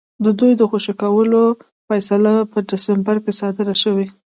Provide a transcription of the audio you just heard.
د دوی د خوشي کولو فیصله په ډسمبر کې صادره شوې وه.